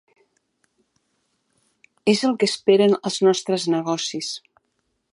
És el que esperen els nostres negocis.